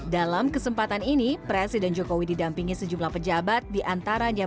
dalam kesempatan ini presiden jokowi didampingi sejumlah pejabat diantaranya